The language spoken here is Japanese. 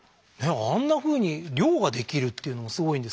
あんなふうに漁ができるっていうのもすごいんですけど。